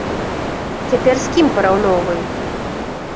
Цяпер з кім параўноўваюць?